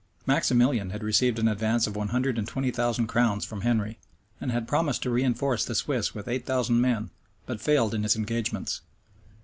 Maximilian had received an advance of one hundred and twenty thousand crowns from Henry, and had promised to reënforce the Swiss with eight thousand men, but failed in his engagements.